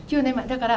だから